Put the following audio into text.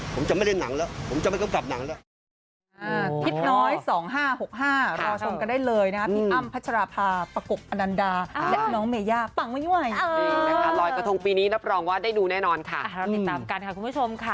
ผมจะไม่เล่นหนังแล้วผมจะไม่กำกับหนังแล้ว